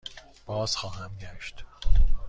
بازخواهم گشت.